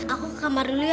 aku ke kamar dulu ya